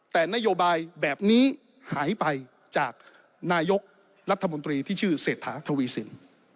แต่นโยบายแบบนี้หายไปจากนายกรัฐมนตรีที่ชื่อเศรษฐาทวีสิน